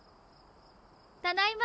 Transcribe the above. ただいま！